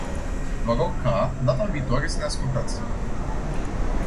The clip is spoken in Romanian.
Vă rog ca, data viitoare, să ne ascultați.